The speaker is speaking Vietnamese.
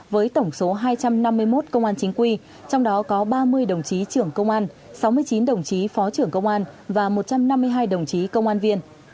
với tổng số hai trăm năm mươi một công an chính quy trong đó có ba mươi đồng chí trưởng công an sáu mươi chín đồng chí phó trưởng công an và một trăm năm mươi hai đồng chí công an viên